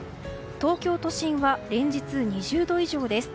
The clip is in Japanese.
東京都心は連日２０度以上です。